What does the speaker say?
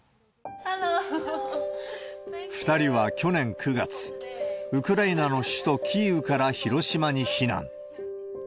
２人は去年９月、ウクライナの首都キーウから広島に避難。